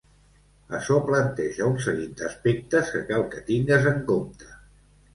Açò planteja un seguit d'aspectes que cal que tingues en compte.